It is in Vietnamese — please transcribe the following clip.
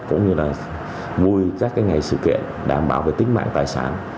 cũng như là vui các ngày sự kiện đảm bảo về tính mạng tài sản